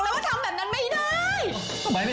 พูดพอแม่บอกมาว่าทำแบบนั้นไม่ได้